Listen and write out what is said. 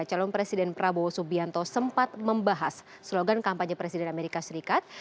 calon presiden prabowo subianto sempat membahas slogan kampanye presiden amerika serikat